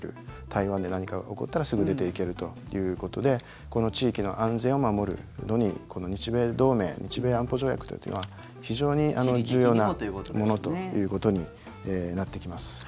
台湾で何か起こったらすぐ出ていけるということでこの地域の安全を守るのに日米同盟日米安保条約というのは非常に重要なものということになってきます。